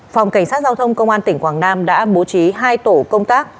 phòng cảnh sát giao thông công an tỉnh quảng nam đã bố trí hai tổ công tác